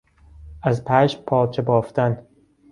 از پشم پارچه بافتن